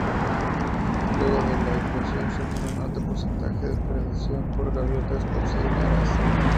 Luego de la eclosión sufren un alto porcentaje de predación por gaviotas cocineras.